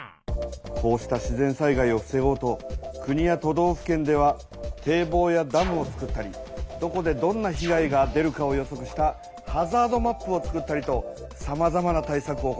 こうした自然災害をふせごうと国や都道府県では堤防やダムをつくったりどこでどんなひ害が出るかを予そくしたハザードマップを作ったりとさまざまな対さくを行っている。